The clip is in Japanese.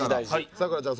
咲楽ちゃん